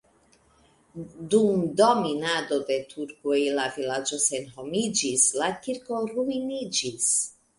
Dum dominado de turkoj la vilaĝo senhomiĝis, la kirko ruiniĝis.